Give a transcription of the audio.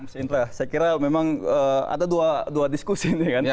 saya kira memang ada dua diskusi ini kan